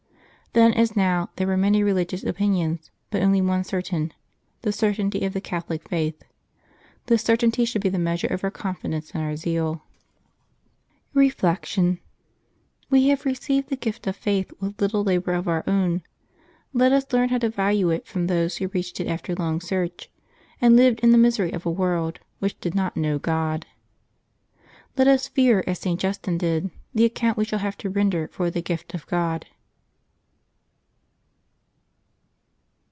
Then, as now, there were many religious opinions, but only one certain — the certainty of the Catholic faith. This certainty should be the measure of our confidence and our zeal. Juke 1] LIVES OF THE SAINTS 201 Reflection. — We have received the gift of faith with little labor of our own. Let us learn how to value it from those who reached it after long search, and lived in the misery of a world which did not know God. Let us fear, as St. Justin did, the account we shall have to render for the gift of God.